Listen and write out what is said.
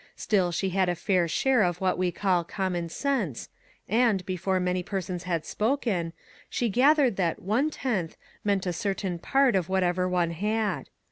Still, she had a fair share of what we call common sense, and, before many persons had spoken, she gathered that " one tenth " meant a certain part of whatever one had.